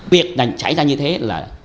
việc này xảy ra như thế là